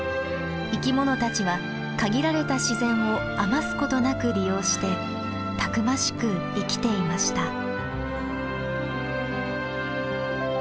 生きものたちは限られた自然を余すことなく利用してたくましく生きていました。